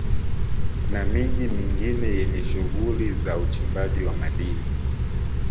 Na miji mingine yenye shughuli za uchimbaji wa madini